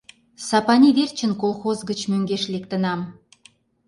Сапани верчын колхоз гыч мӧҥгеш лектынам.